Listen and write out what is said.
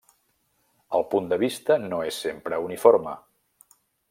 El punt de vista no és sempre uniforme.